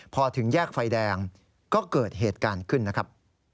พอถึงแยกไฟแดงก็เกิดเหตุการณ์ขึ้นนะครับ